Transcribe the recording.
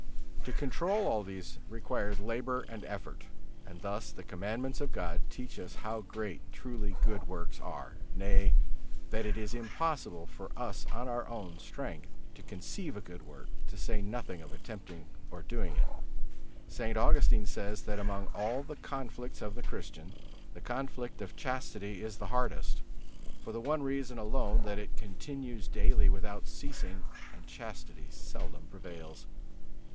To control all these requires labor and effort; and thus the Commandments of God teach us how great truly good works are, nay, that it is impossible for us of our own strength to conceive a good work, to say nothing of attempting or doing it. St. Augustine says, that among all the conflicts of the Christian the conflict of chastity is the hardest, for the one reason alone, that it continues daily without ceasing, and chastity seldom prevails.